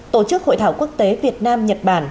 tổ chức hội thảo quốc tế việt nam nhật bản